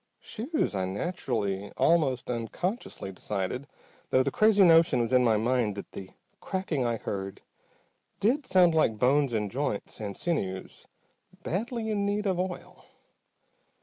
"Shoes," I naturally, almost unconsciously decided, though the crazy notion was in my mind that the cracking I heard did sound like bones and joints and sinews badly in need of oil.